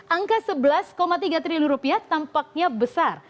angka rp sebelas tiga triliun rupiah tampaknya besar